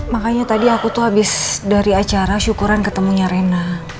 makanya tadi aku tuh habis dari acara syukuran ketemunya rena